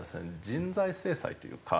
人材制裁というか。